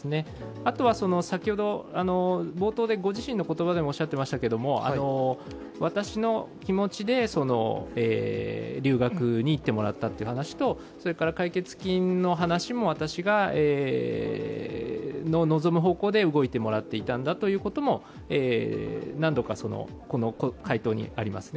あとは冒頭でご自身の言葉でもおっしゃってましたけれども私の気持ちで留学に行ってもらったという話とそれから、解決金の話も私の望む方向で動いてもらっていたんだということも何度か、この回答にありますね。